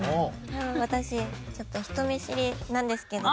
私ちょっと人見知りなんですけど。